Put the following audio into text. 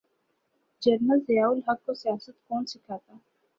General Zia ul-Haq کو سیاست کون سکھاتا۔